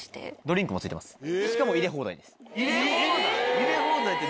入れ放題って。